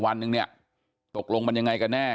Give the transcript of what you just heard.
วันนึงตกลงมันยังไงกันแน่